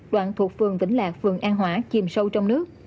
đoạn thuộc phường vĩnh lạc phường an hòa chìm sâu trong nước